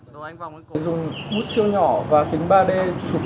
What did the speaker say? một người hiểu sâu về phương tiện siêu nhỏ này đã chia sẻ với phóng viên